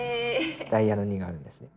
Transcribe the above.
ダイヤの２があるんですよ。